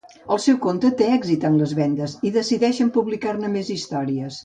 El seu conte té èxit en les vendes i decideixen publicar-ne més històries.